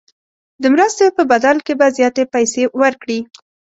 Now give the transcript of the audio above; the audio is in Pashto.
د مرستې په بدل کې به زیاتې پیسې ورکړي.